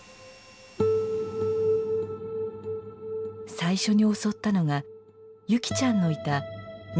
最初に襲ったのが優希ちゃんのいた２年南組。